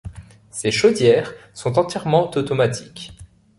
Ces chaudières sont entièrement automatiques.